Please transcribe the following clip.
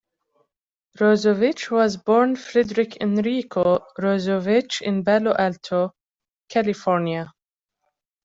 Rossovich was born Frederic Enrico Rossovich in Palo Alto, California.